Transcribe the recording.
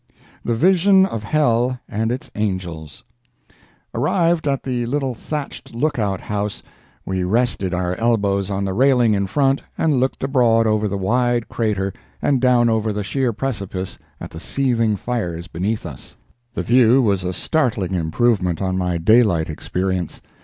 THE VISION OF HELL AND ITS ANGELS Arrived at the little thatched look out house, we rested our elbows on the railing in front and looked abroad over the wide crater and down over the sheer precipice at the seething fires beneath us. The view was a startling improvement on my daylight experience.